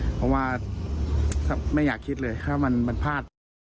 เพราะว่าไม่อยากคิดเลยถ้ามันพลาด